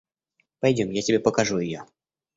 Пойдем, я тебе покажу ее.